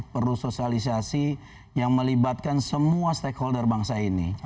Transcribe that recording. perlu sosialisasi yang melibatkan semua stakeholder bangsa ini